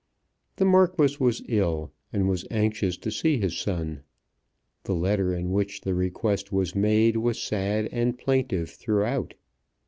The Marquis was ill, and was anxious to see his son. The letter in which the request was made was sad and plaintive throughout.